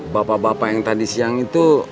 bapak bapak yang tadi siang itu